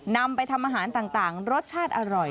นำไปทำอาหารต่างรสชาติอร่อย